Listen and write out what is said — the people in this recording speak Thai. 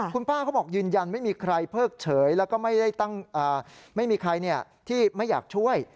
คุณป้าเขาบอกยืนยันไม่มีใครเพิกเฉยแล้วก็ไม่มีใครที่ไม่อยากช่วย